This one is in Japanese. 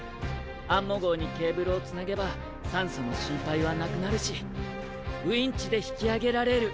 アンモ号にケーブルをつなげば酸素の心配はなくなるしウインチで引きあげられる。